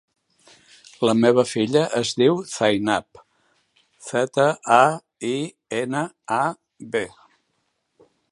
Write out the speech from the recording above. La meva filla es diu Zainab: zeta, a, i, ena, a, be.